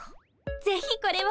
ぜひこれを。